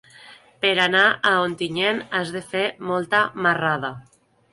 Per anar a Ontinyent has de fer molta marrada.